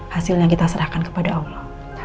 hasil yang kita serahkan kepada allah